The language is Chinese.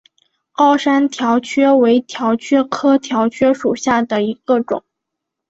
高山条蕨为条蕨科条蕨属下的一个种。